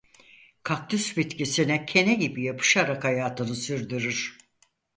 Kaktüs bitkisine kene gibi yapışarak hayatını sürdürür.